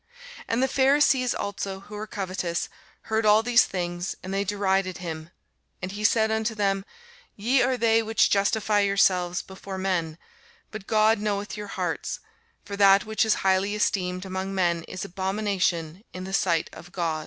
And the Pharisees also, who were covetous, heard all these things: and they derided him. And he said unto them, Ye are they which justify yourselves before men; but God knoweth your hearts: for that which is highly esteemed among men is abomination in the sight of God.